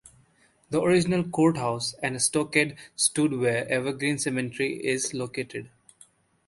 The original courthouse and a stockade stood where Evergreen Cemetery is located.